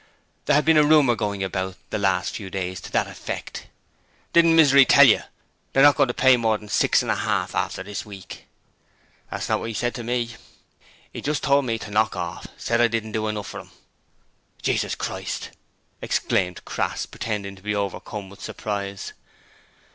There had been a rumour going about the last few days to that effect. 'Didn't Misery tell you? They're not goin' to pay more than six and a half after this week.' 'That's not what 'e said to me. 'E just told me to knock off. Said I didn't do enough for 'em.' 'Jesus Christ!' exclaimed Crass, pretending to be overcome with surprise.